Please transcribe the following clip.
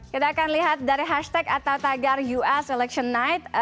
kita akan lihat dari hashtag atau tagar us election night